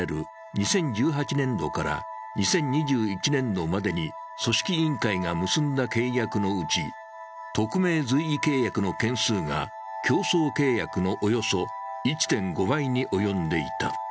２０１８年度から２０２１年度までに組織委員会が結んだ契約のうち、特命随意契約の件数が競争契約のおよそ１．５倍に及んでいた。